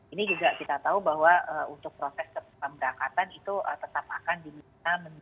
ini juga kita tahu bahwa untuk proses pemberangkatan itu tetap akan diminta seperti electronic health alert card